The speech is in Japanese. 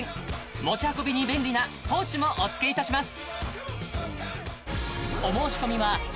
持ち運びに便利なポーチもお付けいたします